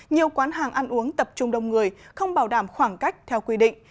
nhiều quán hàng ăn uống tập trung đông người không bảo đảm khoảng cách theo quy định